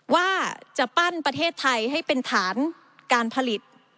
ว่าจะปั้นประเทศไทยให้เป็นฐานการผลิต